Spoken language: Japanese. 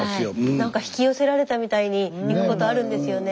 何か引き寄せられたみたいに行くことあるんですよね。